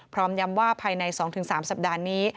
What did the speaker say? พร้อมย้ำว่าภายใน๒๓สัปดาห์นี้